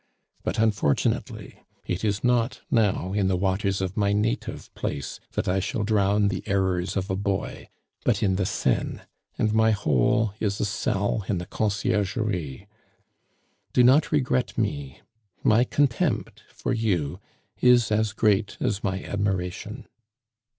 But, unfortunately, it is not now in the waters of my native place that I shall drown the errors of a boy; but in the Seine, and my hole is a cell in the Conciergerie. "Do not regret me: my contempt for you is as great as my admiration.